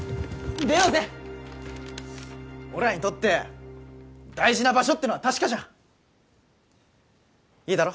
出ようぜ俺らにとって大事な場所ってのは確かじゃんいいだろ？